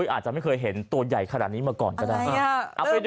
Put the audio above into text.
อาจจะไม่เคยเห็นตัวใหญ่ขนาดนี้มาก่อนก็ได้